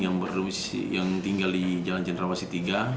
yang tinggal di jalan cendrawasih tiga